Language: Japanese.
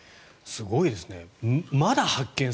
すごいですね。